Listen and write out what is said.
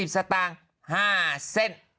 ๕๐สตางค์๕เซนติ